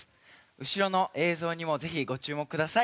後ろの映像にもぜひご注目ください。